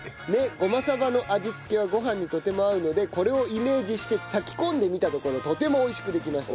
ごまさばの味付けはご飯にとても合うのでこれをイメージして炊き込んでみたところとても美味しくできました。